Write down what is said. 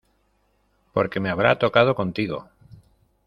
¡ Por qué me habrá tocado contigo!